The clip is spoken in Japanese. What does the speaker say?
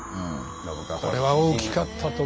これは大きかったと思いますよ。